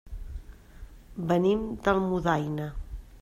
Venim d'Almudaina.